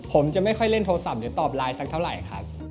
ผมจะไม่ค่อยเล่นโทรศัพท์หรือตอบไลน์สักเท่าไหร่ครับ